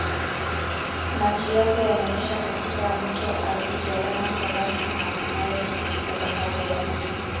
Maji yake yanaishia katika mto Athi-Galana-Sabaki na hatimaye katika Bahari ya Hindi.